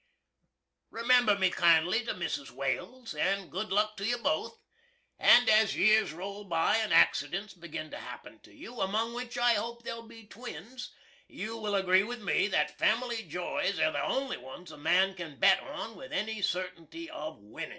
Remember me kindly to Mrs. Wales, and good luck to you both! And as years roll by, and accidents begin to happen to you among which I hope there'll be Twins you will agree with me that family joys air the only ones a man can bet on with any certinty of winnin'.